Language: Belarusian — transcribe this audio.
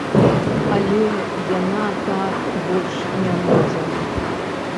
Але яна так больш не можа.